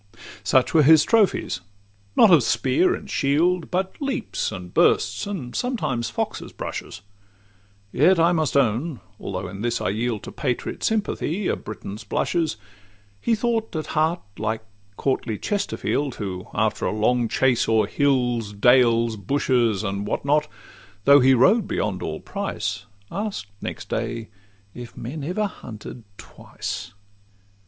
Such were his trophies—not of spear and shield, But leaps, and bursts, and sometimes foxes' brushes; Yet I must own,—although in this I yield To patriot sympathy a Briton's blushes,— He thought at heart like courtly Chesterfield, Who, after a long chase o'er hills, dales, bushes, And what not, though he rode beyond all price, Ask'd next day, 'If men ever hunted twice?